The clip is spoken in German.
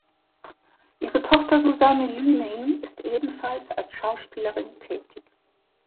Ihre Tochter Susanne Lüning ist ebenfalls als Schauspielerin tätig.